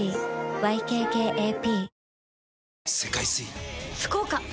ＹＫＫＡＰ